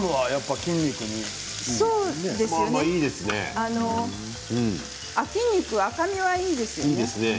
筋肉に赤身はいいですね。